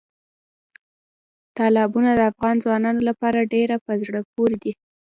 تالابونه د افغان ځوانانو لپاره ډېره په زړه پورې دي.